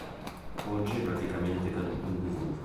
Oggi è praticamente caduto in disuso.